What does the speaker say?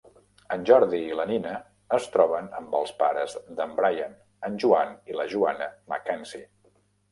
En Jordi i la Nina es troben amb els pares d'en Bryan, en Joan i la Joana MacKenzie.